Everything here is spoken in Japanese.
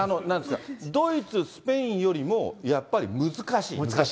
ドイツ、スペインよりも、やっぱり難しい？